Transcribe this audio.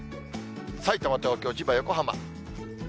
さいたま、東京、千葉、横浜。